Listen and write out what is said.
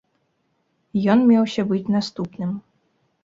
Ён меўся быць наступным.